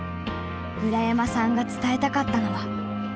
村山さんが伝えたかったのは。